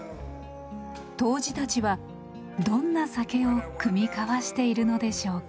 杜氏たちはどんな酒を酌み交わしているのでしょうか？